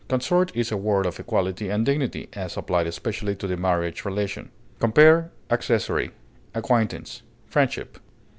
Consort is a word of equality and dignity, as applied especially to the marriage relation. Compare ACCESSORY; ACQUAINTANCE; FRIENDSHIP.